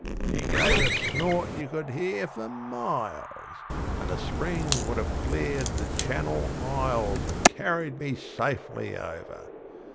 He gave a snort you could hear for miles, And a spring would have cleared the Channel Isles And carried me safely over!